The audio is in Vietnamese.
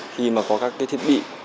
khi mà có các cái thiết bị